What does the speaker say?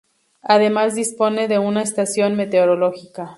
Además dispone de una estación meteorológica.